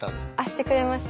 してくれました。